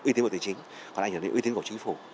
ưu tiên bộ tài chính còn ảnh hưởng đến ưu tiên của chính phủ